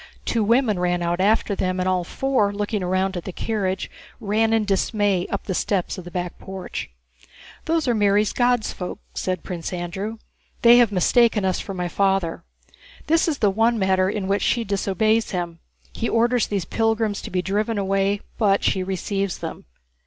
Two women ran out after them, and all four, looking round at the carriage, ran in dismay up the steps of the back porch. "Those are Mary's 'God's folk,'" said Prince Andrew. "They have mistaken us for my father. This is the one matter in which she disobeys him. He orders these pilgrims to be driven away, but she receives them."